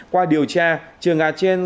qua điều tra trường ả trên